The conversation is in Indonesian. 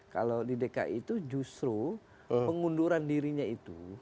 kalau di dki itu justru pengunduran dirinya itu